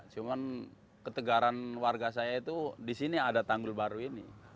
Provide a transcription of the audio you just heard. cuman ketegaran warga saya itu di sini ada tanggul baru ini